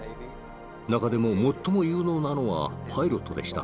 中でも最も有能なのはパイロットでした。